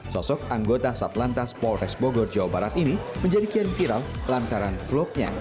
sosok anggota satlantas polres bogor jawa barat ini menjadi kian viral lantaran vlognya